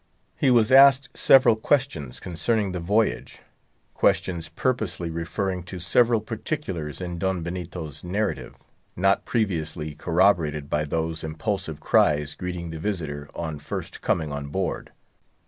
He was asked several questions concerning the voyage—questions purposely referring to several particulars in Don Benito's narrative, not previously corroborated by those impulsive cries greeting the visitor on first coming on board.